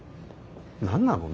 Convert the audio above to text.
何なの？